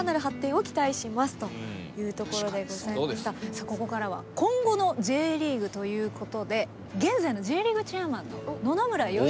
さあここからは今後のＪリーグということで現在のＪリーグチェアマンの野々村芳和さんのインタビューです。